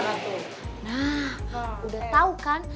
nah udah tau kan